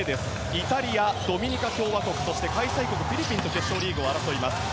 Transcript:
イタリア、ドミニカ共和国そして、開催国フィリピンと決勝リーグを争います。